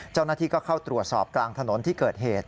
เจ้าหน้าที่ก็เข้าตรวจสอบกลางถนนที่เกิดเหตุ